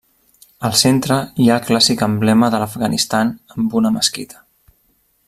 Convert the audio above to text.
Al centre hi ha el clàssic emblema de l'Afganistan amb una mesquita.